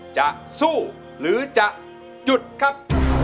จะสู้หรือจะหยุดครับ